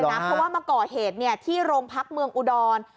เพราะว่ามาก่อเหตุที่โรงพักเมืองอุดร